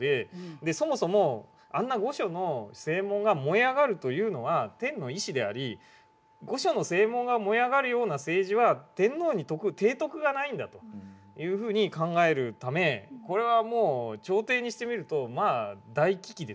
そもそもあんな御所の正門が燃え上がるというのは天の意思であり御所の正門が燃え上がるような政治は天皇に徳帝徳がないんだというふうに考えるためこれはもう朝廷にしてみるとまあ大危機ですよ。